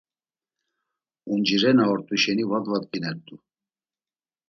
Uncire na ort̆u şeni va dvadginert̆u.